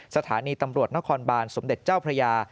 สถานีตำรวจนครบานสมเด็จเจ้าพระยา